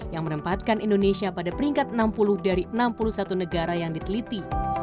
yang menempatkan indonesia pada peringkat enam puluh dari enam puluh satu negara yang diteliti